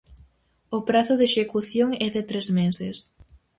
O prazo de execución é de tres meses.